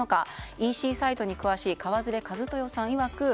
ＥＣサイトに詳しい川連一豊さんいわく